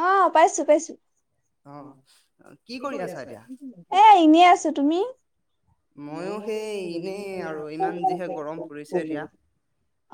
অ পাইছো পাইছো কি কৰি আছে এ এনেই আছো তুমি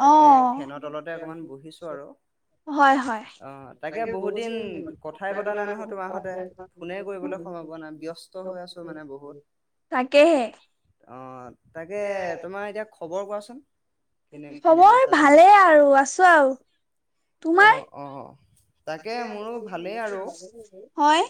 আহ হয় হয় তাকে ব যি তোমাৰ সতে ফোনে কৰিবলৈ সময় পোৱা নাই ব্যস্ত হৈ আছো মানে বহুত আহ তাকে তোমাৰ এতিয়া খবৰ কোৱাচোন খবৰ ভালেই আৰু আছো আৰু অ অ। তাকে মোৰো ভালেই আৰু, হয় হয়।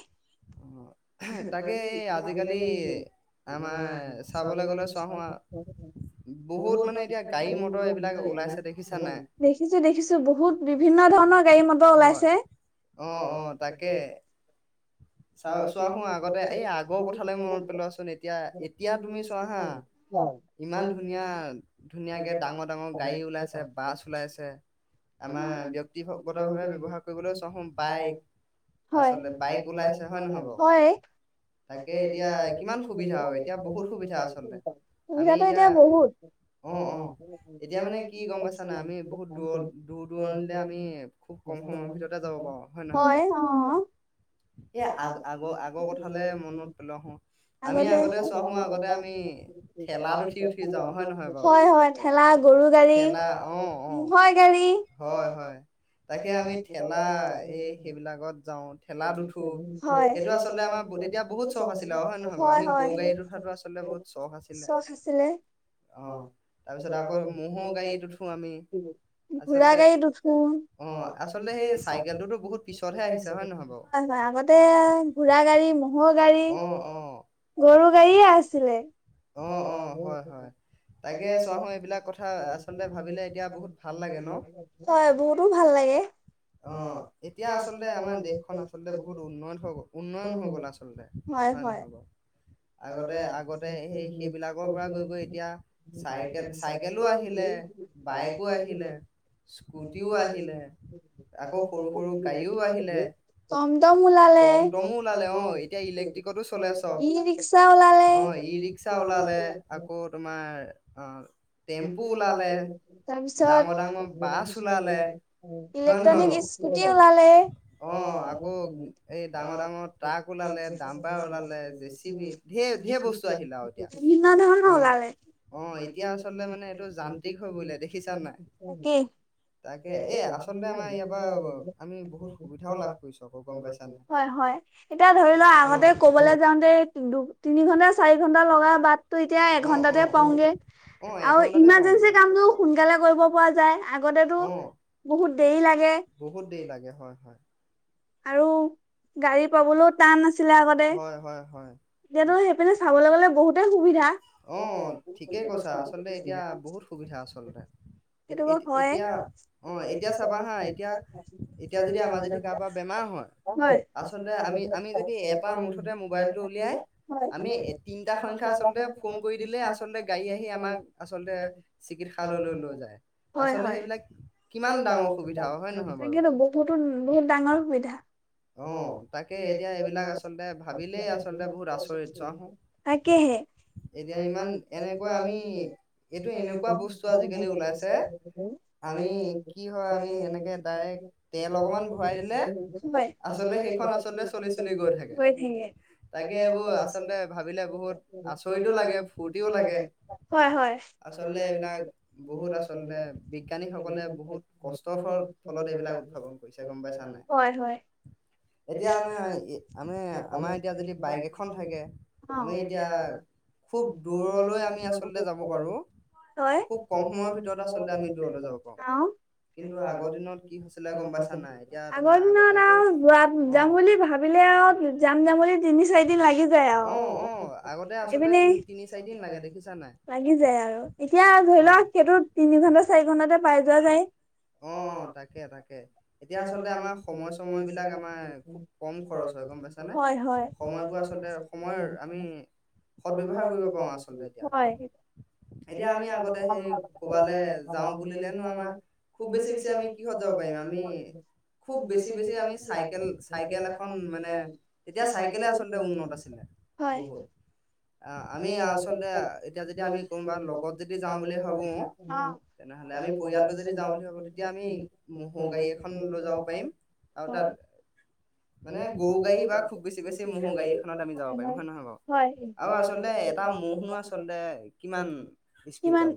অ দেখিছোঁ দেখিছোঁ বহুত বিভিন্ন ধৰণৰ গাড়ী মটৰ ওলাইছে। অ অ তাকে চাৱ চোন মই আগতে এই আগৰ কথালে মনত পেলোৱাচোন এতিয়া এতিয়া তুমি চোৱা হা ইমান ধুনীয়া ধুনীয়াকে ডাঙৰ ডাঙৰ গাড়ী ওলাইছে বাছ ওলাইছে, আমাৰ ব্যক্তিগত ভাৱে ব্যবহাৰ কৰিবলৈও চোৱাচোন বাইক আচলতে বাইক। ওলাইছে হয় নহয় বাৰু। হয়, সুবিধাটো এতিয়া বহুত, অ অ, হয় অ এয়া আ আগৰ কথালে মনত পেলোৱা হো আমি আগতে চোৱাচোন আগতে আমি ঠেলাত উঠি-উঠি যাওঁ হয় নহয় বাৰু, ঠেলা অহ আহ হয় হয় তাকে আমি ঠেলা এই সেইবিলাকত যাওঁ। ঠেলাত উঠি হয়। হয় হয় চখ আছিলে। ঘোঁৰা গাড়ীত উঠো। হয় হয় আগ তে ঘোঁৰা গাড়ী, ম'হৰ গাড়ী, গৰু গাড়ী আছিলে। অ' হয় বহুতো ভাল লাগে। আচলতে বহুত উন্নয়ন হৈ গ'ল। উন্নয়ন হৈ গ'ল আচলতে হয় নহয় বাৰু। আগতে আগতে সেই সেইবিলাকৰ পৰা গৈ গৈ এতিয়া চাইকেল-চাইকেলো আহিলে। বাইকো আহিলে, স্কুটিও আহিলে আকৌ সৰু সৰু গাড়ীও আহিলে। তমতম ওলালে। ওলালে অ' এতিয়া ইলেক্ট্ৰিকতো চলে চব। অ', ই ৰিক্সা ওলালে আকৌ তোমাৰ অঁ, তাৰপিছত ইলেকট্ৰনিক স্কুটি ওলালে। [unintelligible] ই দেহ ওলালে মানে এইটো যান্ত্ৰিক হয় বুলে দেখিছা নাই। তাকে এ আচলতে আমাৰ ইয়াৰ পৰা আমি বহুত সুবিধাও লাভ হয়-হয় এতিয়া ধৰি লোৱা আগতে কবলে যাওঁতে দু তিনি ঘন্টা। চাৰি ঘন্টা লগা বাট ত এতিয়া এঘন্টাতে পাওঁগে। আৰু ইমাৰ্জেঞ্চি কামটো সোনকালে কৰিব পৰা যায়। আগতেতো বহুত দেৰি লা বহুত দেৰি লাগে। হয় - হয়। আৰু গাড়ী পাবলৈও টান আছ ছিলে আগতে। এতিয়াতো সেইপিনে চাবলৈ গ'লে বহুতেই সুবিধা। [inaudible] অ' সেইটো হয়। [unintelligible] বেমাৰ হয়, আচলতে আমি - আমি যদি এ টা মুঠতে মোবাইলটো উলিয়াই, আমি এ- তিনটা সংখ্যা আচলতে ফোন কৰি দিলে, আচলতে গাড়ী আহি আমাক আচলতে চিকিৎসালয়লৈ লৈ যায়। আচলতে সেইবিলাক কিমান ডাঙৰ সুবিধা, হয়নে নহয় বাৰু? সুবিধা। অ' [unintelligible] তাকেহে [unintelligible] [unintelligible] আচলতে [inaudible] হৈ থাকে। হয় -হয়। [inaudible] হয় - হয়। এতিয়া- [inaudible] অ'। হয়। অ'? আগৰ দিনত আও যাম বুলি ভাবিলে আৰু যামঢ়- যাম বুলি তিনি- চাৰি দিন লাগি যায় আৰু। [inaudible] এইপিনে [inaudible] লাগি যায় আৰু। এতিয়া ধৰি লোৱা, সেইটো তিনি ঘন্টা - চাৰি ঘন্টাতে পাই যোৱা যায়। অ' তাকে - তাকে। এতিয়া আচলতে [inaudible] হয় - হয়। [inaudible] হয়। এতিয়া আমি [unintelligible] খুব বেছি - বেছি আমি চাইকেল- চাইকেল এখন মানে, তেতিয়া চাইকেলে আচলতে উন্নত আছিলে বহুত। অ' আমি আচলতে এতিয়া- যেতিয়া আমি কোনবা লগত যদি যাওঁ বুলি ভাবোঁ, তেনেহলে আমি পৰিয়ালটো যদি যাওঁ বুলি ভাবোঁ, তেতিয়া আমি ম'হো গাড়ী এখন লৈ যাব [unintelligible] মানে গৰুগাড়ীৰ পৰা [unintelligible] হয় - হয়। হয়। [inaudible] কিমান ইস্পীড যাব?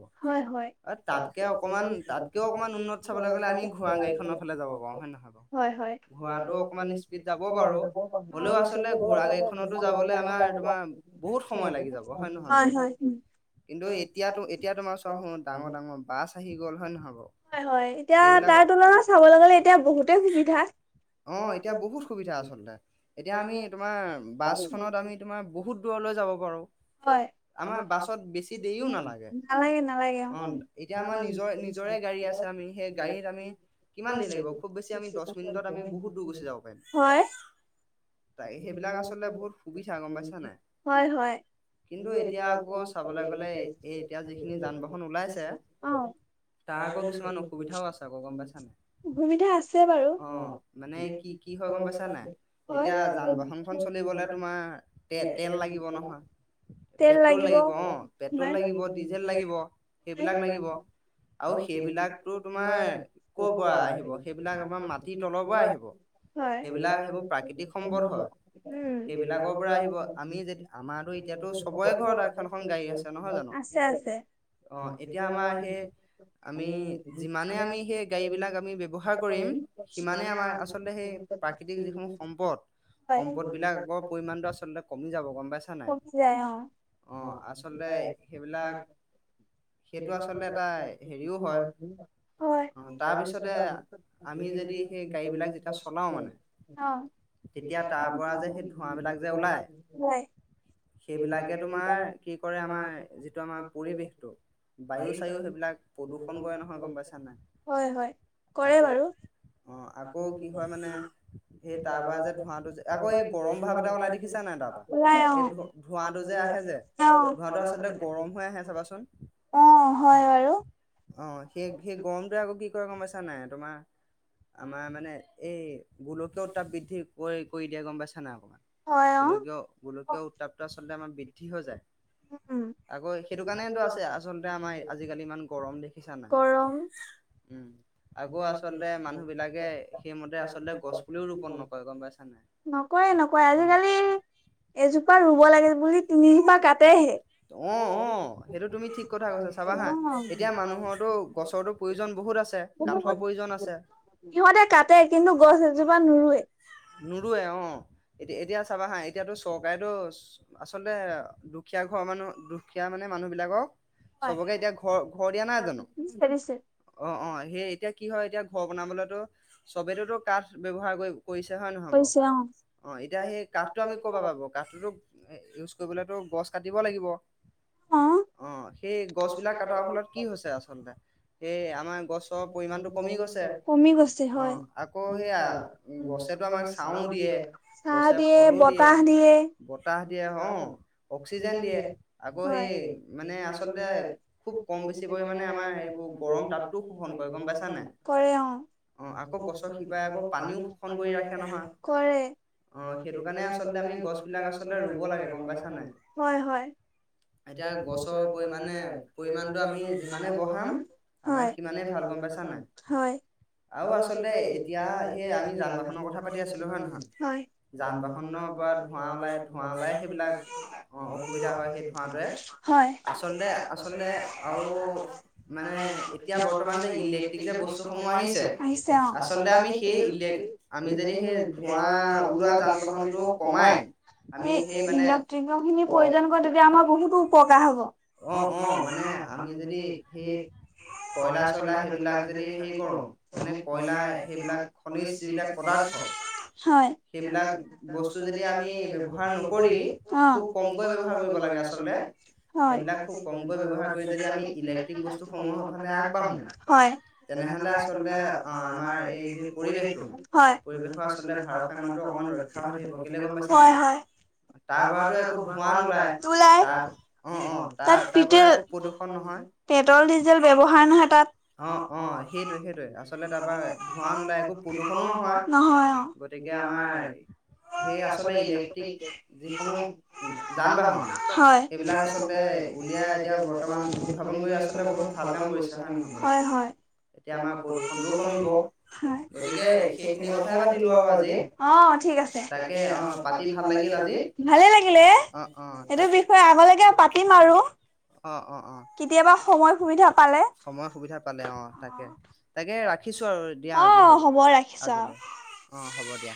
অ' তাতকে অকণমান- তাতকেও অকণমান উন্নত চাবলৈ গ'লে, আমি ঘোঁৰাগাড়ীখনৰ ফালে যাব পাৰোঁ। হয় - হয়। [unintelligible] অ'। [unintelligible] হয় - হয়। কিন্তু এতিয়াতো- এতিয়া তোমাৰ ওচৰত ডাঙৰ-ডাঙৰ বাছ আহি গ'ল, হয় নহয় বাৰু? সেইবিলাক অ' এতিয়া বহুত সুবিধা আচলতে। এতিয়া আমি তোমাৰ বাছখনত আমি তোমাৰ বহুত দূৰলৈ যাব পাৰোঁ। আমাৰ বাছ [unintelligible] নালাগে - নালাগে [unintelligible] [unintelligible] হয়। [inaudible] হয় - হয়। অ ভূমতে আ অ মানে কি কি হয় গম পাইছা নাই এতিয়া যান বাহনখনন চলিবলে তোমাৰ তে তেল লাগিব নহয় পেট্ৰল লাগিব অ পেট্ৰল লাগিব ডিজেল লাগিব সেইবিলাক লাগিব আৰু সেইবিলাকতটো তোমাৰ ক পৰা আহিব সেই সেইবিলাক আমাৰ মাটিৰ তলৰ পৰা আহিব হয় সেইবিলাক সেইবোৰ প্ৰাকৃতিক সম্পদ হয় সেইবিলাকৰ পৰা আহিব আমি যে ইমানখন গাড়ী আছে নহয় জানো অ এতিয়া আমাৰ সেই আমি যিমানে আমি সেই গাড়ী বিলাক আমি ব্যৱহাৰ কৰিম সিমানে আমাৰ আচলতে সেই প্ৰাকৃতিক যিসমূহ সম্পদ সম্পদ বিলাকৰ পৰিমমানটো আচলতে কমি যাব গম পাইছা নাই অ আ সেইটো আচলতে তাৰপিছত আ অ হয় তোমাৰ কি কৰে আমাৰ যিটো আমাৰ পৰিৱেশটো বায়ু চায়ু সেইবিলাক প্ৰদূষন কৰে নহয় গম পাইছা নাই কৰে বাৰু এই যে ধোৱাটো আচলতে গৰম হৈ আহে চাবাচোন অ অ সেই সেই গৰমটোৱে আকৌ কি কৰে কমাইছা নাই তোমাৰ আমাৰ মানে এই গলোকও ত বৃদ্ধি কৰি কৰি দিয়া গম পাই চানা গোলকীয় গোলকীয় উত্তাপ আচলতে আমাৰ ঠিক হৈ যায় গৰম নকয় নকয় আজিকালি এজোপা ৰুব লাগে বুলি তু নিিা ক [unintelligible] তেহে সিহঁতে কাটে কিন্তু গছ এজোপা নৰুোৱে এতিয়া চাবা হা এতিয়াতটো চৰকাৰেটো আ আচলতে দুখীয়া ঘৰৰ মানুহ দুখীয়া মানে মানুহবিলাকক। চবকে এতিয়া ঘৰ ঘৰ দিয়া নাই জানো অ অ সে এতিয়া কি হয় এতিয়া ঘৰ বনাবলেতো চবেতেতো কাঠ ব্যৱহাৰ কৰিব। কৰিছে হয় নহয় বাৰু অ এতিয়া সেই কাঠটো আমি কব পাৰিব কাঠটোতো ন ইউজ কৰিবলেতো গছ কাটিব লাগিব অ সেই গছ বিলাক কটাৰ ফলত কি হৈছে আচলতে এই আমাৰ কমি গৈছে হয় চাহ দিয়ে বতাহ দিয়ে। অ অক্সিজেন দিয়ে আকৌ সেই মানে আচলতে খুব কম বেছি পৰিমণে আমাৰ এইবোৰ গৰম তাততো। শোষণ কৰে গম পাইছা নাই কৰে অ অ আকৌ গছৰ শিপাই পানীও শোষণ কৰি ৰাখে নহয় কৰে সেইটো কাৰণে আচলতে আমি গছবিলাক আচলতে ৰো ৰোব লাগে গম পাইছা হয় হয় এতিয়া গছৰ পৰিমাণে পৰিমাণটো আমি যিমানে বঢ়াম হয় ইমানে ভাল গম পাইছা নাই হয় আৰু আচলতে এতিয়া সেই আমি যান বাহনৰ কথা কৈ আছিলো হয় নাই হয় যান বাহনৰ পৰা ধোঁৱা ওলাই ধোঁৱা ওলাই সেইবিলাক অসুবিধা হয় সেই ধোঁৱাটোৱে হয় আচলতে আচলতে আৰু মানে এতিয়া বৰ্তমান যে ইলেক্ট্ৰিক যে বস্তুসমূহ আহিছে আহিছে অহ আচলতে আমি সেই ইলে আমি যদি সেই ধোঁৱা ওলোৱা যান বাহনবোৰ কমাই সেই ইলেক্ট্ৰিক খিনি প্ৰয়োজন কৰো তেতিয়া আমাৰ বহুতো উপকাৰ হব অ অ মানে আমি যদি কয়লা চয়লা সেইবিলাক যদি হেৰি কৰো মানে কয়লাৰ সেইবিলাক খনিজ যিবিলাক পদাৰ্থ হয়। সেইবিলাক বস্তু যদি আমি ব্যৱহাৰ নকৰি অ খুব কমকৈ ব্যৱহাৰ কৰিব লাগে আচলতে হয় সেইবিলাক খুব কমকৈ ব্যৱহাৰ কৰি যদি আমি ইলেক্ট্ৰিক বস্তুসমূহৰ আগবাঢ়ো হয় তেনেহলে আচলতে আমাৰ এই যি পৰিৱেশটো হয় পৰিৱেশৰ আচলতে ভাৰসা ম্যতো অকমান ৰক্ষা হৈ থাকিব কেলৈ গম পাইছা নাই হয় হয় তাৰ পৰাতো একো ধোঁৱা নোলাই নোলাই তাৰ অ অ তাত পেট্ৰ'ল ডিজেল [unintelligible] ব্যৱহাৰ নহয় তাত অ অ সেইটো সেইটোৱেই তাৰ পৰা একো প্ৰদূষণো নহয় নহয় অ গতিকে আমাৰ সেই আচলতে ইলেক্ট্ৰিক যিসমূহ যান বাহন হয় সেইবিলাক আচলতে উলিয়াই এতিয়া বৰ্তমান উদ্ভাৱন কৰি আচলতে বহুত ভাল কাম কৰিছে হয় নহয় হয় হয় এতিয়া আমাৰ প্ৰদূষণটোও কমিব হয় গতিকে সেইখিনি কথাই পাতিলো আৰু আজি পাতি ভাল লাগিল আজি অ ঠিক আছে ভালে লাগিলে সেইটো বিষয়ে আগলৈকে পাতিম আৰু কেতিয়াবা সময় সুবিধা সময় সুবিধা পালে অ তাকে তাকে ৰাখিছো আৰু দিয়া আজি হ'ব আজিলৈ অ হ'ব দিয়া। দিয়া।